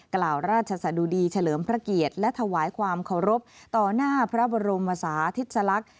กล่าวราชสะดุดีเฉลิมพระเกียรติและถวายความเคารพต่อหน้าพระบรมศาธิสลักษณ์